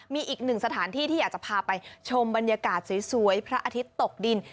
มีอีกหนึ่งสถานที่ที่อยากจะพาไปชมบรรยากาศสวยพระอาทิตย์ตกดิน